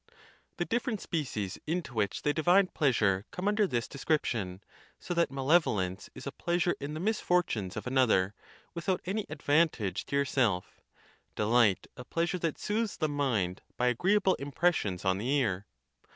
IX. The different species into which they divide pleas ure come under this description; so that malevolence is a pleasure in the misfortunes of another, without any advan tage to yourself; delight, a pleasure that soothes the mind by agreeable impressions on the ear.